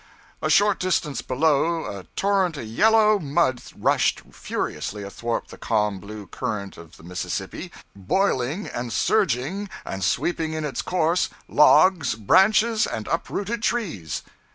A short distance below 'a torrent of yellow mud rushed furiously athwart the calm blue current of the Mississippi, boiling and surging and sweeping in its course logs, branches, and uprooted trees.'